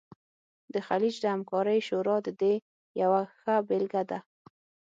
د خلیج د همکارۍ شورا د دې یوه ښه بیلګه ده